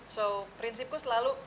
so prinsipku selalu